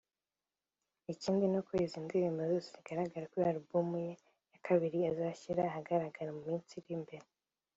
Ikindi nuko izo ndirimbo zose zizagaragara kuri album ye ya kabiri azashyira ahagaragara mu minsi iri imbere